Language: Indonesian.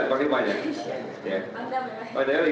pak ada pembayaran komentasi dari